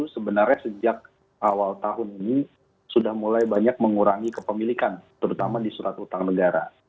sebenarnya sejak awal tahun ini sudah mulai banyak mengurangi kepemilikan terutama di surat utang negara